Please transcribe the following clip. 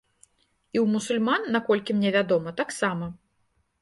І ў мусульман, наколькі мне вядома, таксама.